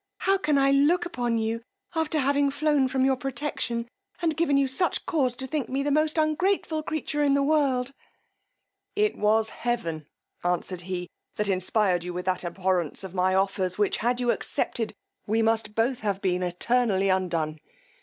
How can I look upon you after having flown from your protection, and given you such cause to think me the most ungrateful creature in the world! It was heaven, answered he, that inspired you with that abhorrence of my offers, which, had you accepted, we must both have been eternally undone!